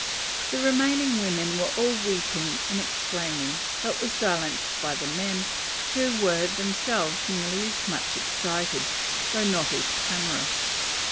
The remaining women were all weeping and exclaiming, but were silenced by the men, who were themselves nearly as much excited, though not so clamorous.